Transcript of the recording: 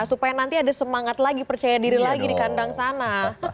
supaya nanti ada semangat lagi percaya diri lagi di kandang sana